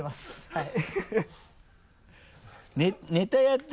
はい。